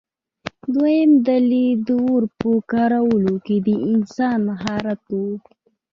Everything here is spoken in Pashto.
دویم دلیل د اور په کارولو کې د انسان مهارت و.